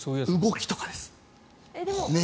動きとかです。